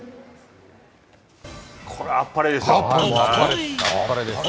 これはあっぱれでしょう。